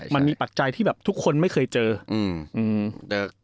มันมีปัจจัยที่ทุกคนไม่เคยเจอ